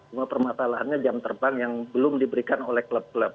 cuma permasalahannya jam terbang yang belum diberikan oleh klub klub